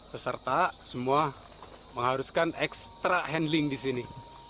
peserta semua mengharuskan ekstra handling disini